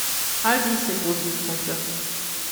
All dies sind positive Punkte.